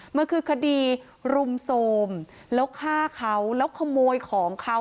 มันคือคดีรุมโทรมแล้วฆ่าเขาแล้วขโมยของเขา